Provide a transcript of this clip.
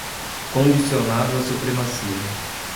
Condicionada à supremacia